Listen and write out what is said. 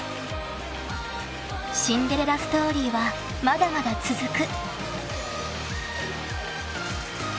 ［シンデレラストーリーはまだまだ続く］